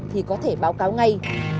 thì có thể báo cáo ngay